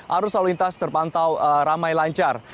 arus lalu lintas terpantau ramai lancar